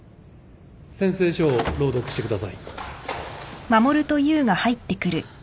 宣誓書を朗読してください。